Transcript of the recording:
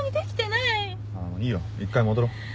いいよ一回戻ろう。